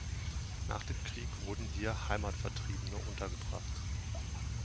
Nach dem Krieg wurden hier Heimatvertriebene untergebracht.